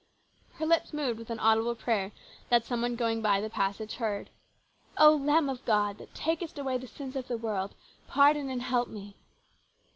Her lips moved in an audible prayer that some one going by the passage heard :" O Lamb of God, that takest away the sins of the world, pardon me and help me!"